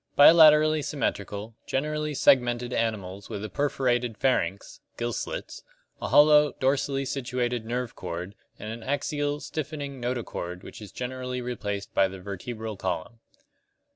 Bilaterally symmetrical, generally segmented animals with a perforated pharynx (gill slits) , a hollow, dorsally situated nerve cord, and an axial, stiffening notochord which is generally replaced by the vertebral column.